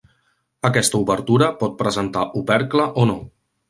Aquesta obertura pot presentar opercle o no.